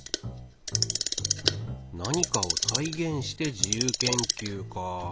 なにかを再現して自由研究か。